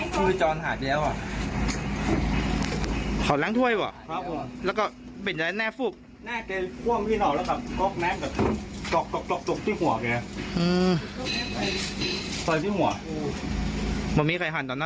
นี่แหละครับนาทีชีวิตเห็นไหมปำหัวใจอยู่ไกลนั้นน่ะ